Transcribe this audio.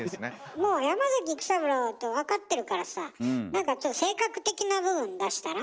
もう山崎育三郎と分かってるからさ何かちょっと性格的な部分出したら？